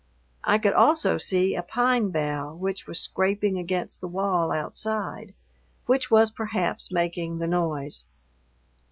I could also see a pine bough which was scraping against the wall outside, which was perhaps making the noise.